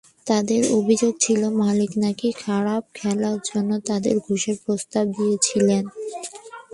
তাঁদের অভিযোগ ছিল, মালিক নাকি খারাপ খেলার জন্য তাদের ঘুষের প্রস্তাব দিয়েছিলেন।